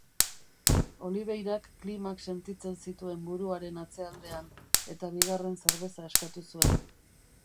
Oliveirak kilimak sentitzen zituen buruaren atzealdean, eta bigarren zerbeza eskatu zuen.